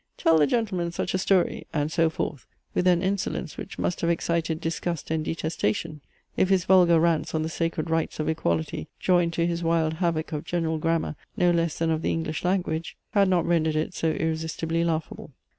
tell the gentlemen such a story, and so forth;" with an insolence which must have excited disgust and detestation, if his vulgar rants on the sacred rights of equality, joined to his wild havoc of general grammar no less than of the English language, had not rendered it so irresistibly laughable.